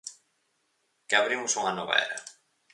Que abrimos unha nova era.